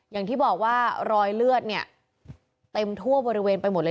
อย่างที่บอกว่ารอยเลือดเนี่ยเต็มทั่วบริเวณไปหมดเลย